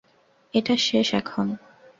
এটা শেষ এখন।